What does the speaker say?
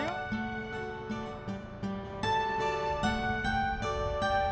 kok awak semua beban dan cungun strawberry sekarang